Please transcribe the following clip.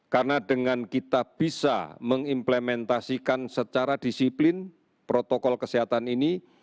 karena dengan kita bisa mengimplementasikan secara disiplin protokol kesehatan ini